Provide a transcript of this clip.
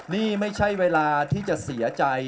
นี่ไม่ใช่เวลาที่จะเสียใจ